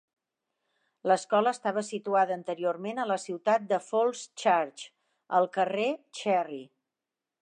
L'escola estava situada anteriorment a la ciutat de Falls Church, al carrer Cherry.